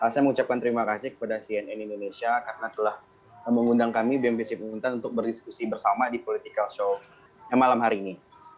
saya mengucapkan terima kasih kepada cnn indonesia karena telah mengundang kami bnpc penguntan untuk berdiskusi bersama di politikal show yang malam hari ini